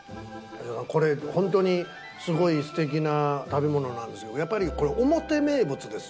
これホントにすごいすてきな食べ物なんですけどやっぱりこれ表名物ですよね。